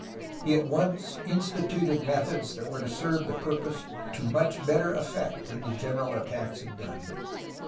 He at once instituted methods that were to serve the piu pose to much better effect than the general attacks had done.